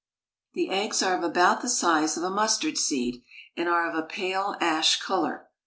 The eggs are of about the size of a mustard seed, and are of a pale ash color.